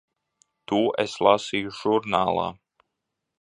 To es lasīju žurnālā.